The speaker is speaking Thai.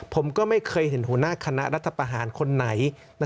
ผมก็ไม่เคยเห็นหัวหน้าคณะรัฐประหารคนไหน